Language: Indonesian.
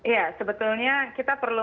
ya sebetulnya kita perlu